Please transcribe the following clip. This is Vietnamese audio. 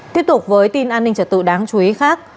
tiếp tục với tin an ninh trật tự đáng chú ý khác